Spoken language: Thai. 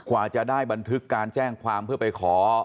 กว่าจะได้บันทึกการแจ้งความเพื่อไปขอ